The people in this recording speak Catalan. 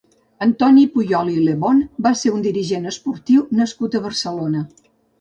Antoni Puyol i Lebón va ser un dirigent esportiu nascut a Barcelona.